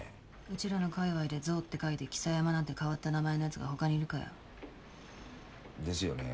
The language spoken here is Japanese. うちらの界隈で「象」って書いて「象山」なんて変わった名前のやつがほかにいるかよ。ですよね。